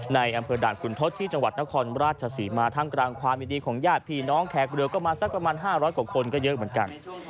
ในอำเภอด่านคุณทศที่จังหวัดนครราชศรีมาท่ามกลางความยินดีของญาติพี่น้องแขกเรือก็มาสักประมาณ๕๐๐กว่าคนก็เยอะเหมือนกัน